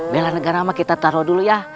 bela negara mah kita taro dulu ya